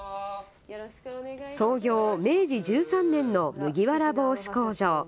創業・明治１３年の麦わら帽子工場。